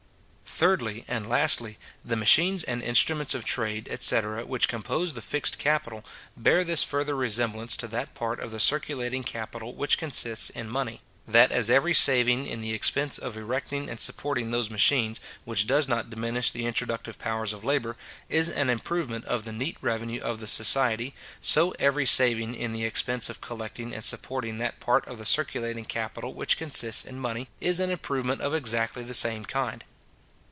Thirdly, and lastly, the machines and instruments of trade, etc. which compose the fixed capital, bear this further resemblance to that part of the circulating capital which consists in money; that as every saving in the expense of erecting and supporting those machines, which does not diminish the introductive powers of labour, is an improvement of the neat revenue of the society; so every saving in the expense of collecting and supporting that part of the circulating capital which consists in money is an improvement of exactly the same kind.